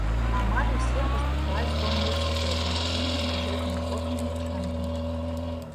Амаль усе паступаюць ва ўніверсітэты на дзённую бюджэтную форму навучання.